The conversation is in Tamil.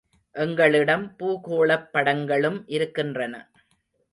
எங்களிடம் பூகோளப்படங்களும் இருக்கின்றன.